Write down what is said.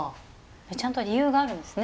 ちゃんと理由があるんですね